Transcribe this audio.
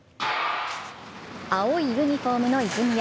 青いユニフォームの泉谷。